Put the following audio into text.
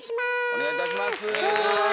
お願いいたします。